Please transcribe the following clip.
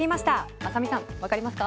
雅美さん、わかりますか？